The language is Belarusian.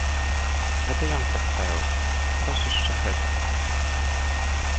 Гэта ён прадставіўся, прозвішча гэта.